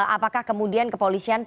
apakah kemudian kepolisian